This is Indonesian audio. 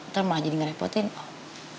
nanti malah jadi ngerepotin om